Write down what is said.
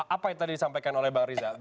apa yang tadi disampaikan oleh bang riza